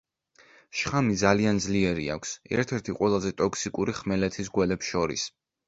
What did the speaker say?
შხამი ძალიან ძლიერი აქვს, ერთ-ერთი ყველაზე ტოქსიური ხმელეთის გველებს შორის.